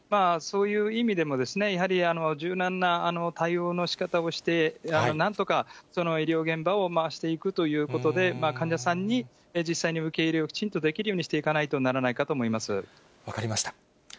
そういう意味でも、やはり柔軟な対応のしかたをして、なんとか医療現場を回していくということで、患者さんに、実際に受け入れをきちんとできるようにしていかなきゃならないか分かりました。